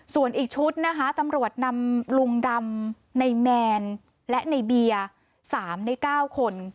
ส่วนอีกชุดนะคะตำรวจนำลุงดำในแมนและในเบียร์๓ใน๙คน